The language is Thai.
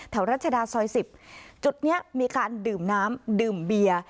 รัชดาซอย๑๐จุดนี้มีการดื่มน้ำดื่มเบียร์